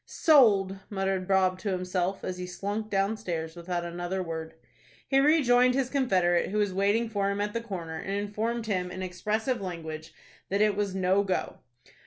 "Sold!" muttered Bob to himself, as he slunk downstairs without another word. He rejoined his confederate, who was waiting for him at the corner, and informed him in expressive language that it was "no go."